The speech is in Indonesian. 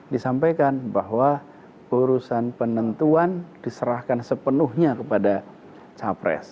disampaikan bahwa urusan penentuan diserahkan sepenuhnya kepada capres